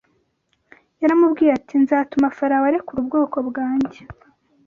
Yaramubwiye ati ‘nzatuma Farawo arekura ubwoko bwanjye.’